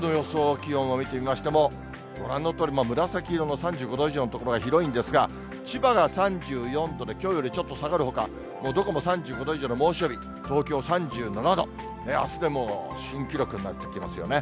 気温を見てみましても、ご覧のとおり紫色の３５度以上の所が広いんですが、千葉が３４度できょうよりちょっと下がるほか、もうどこも３５度以上の猛暑日、東京３７度、あすでもう新記録になってきますよね。